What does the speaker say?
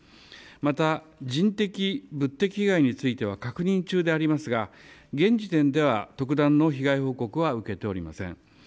また人的、物的被害については確認中でありますが、現時点では特段の被害報告は受けておりません。